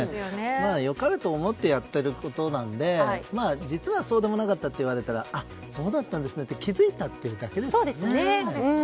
良かれと思ってやってることなので実はそうでもなかったって言われたらあ、そうだったんですねって気付いたということですね。